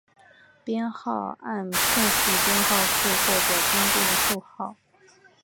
编号按顺序编号数或者编定的号数。